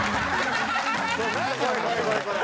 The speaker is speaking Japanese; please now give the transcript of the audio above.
これこれこれこれ。